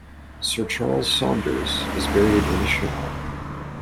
Sir Charles Saunders is buried Eshowe.